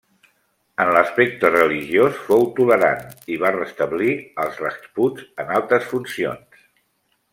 En l'aspecte religiós fou tolerant i va restablir als rajputs en altes funcions.